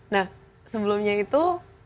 nah sebelumnya itu